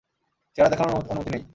চেহারা দেখানোর অনুমতি নেই।